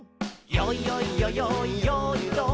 「よいよいよよいよーいドン」